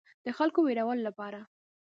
د خلکو د ویرولو لپاره.